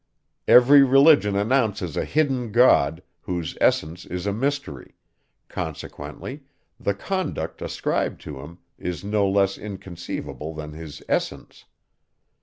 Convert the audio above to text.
Every religion announces a hidden God, whose essence is a mystery; consequently, the conduct, ascribed to him, is no less inconceivable than his essence.